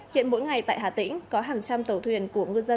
hiện mỗi ngày tại hà tĩnh có hàng trăm tàu thuyền của ngư dân